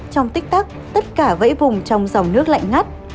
trong tích tắc tất cả vẫy vùng trong dòng nước lạnh ngắt